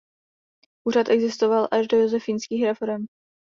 Úřad existoval až do josefínských reforem.